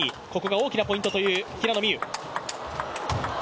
これが大きなポイントという平野美宇。